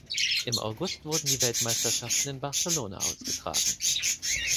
Im August wurden die Weltmeisterschaften in Barcelona ausgetragen.